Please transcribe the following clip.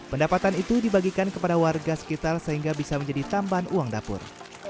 pendapatan itu dibagikan kepada warga sekitar sehingga bisa menjadi tambahan uang dapur